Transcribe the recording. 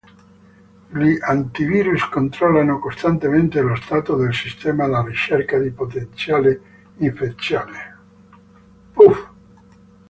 Gli antivirus controllano costantemente lo stato del sistema alla ricerca di potenziali infezioni.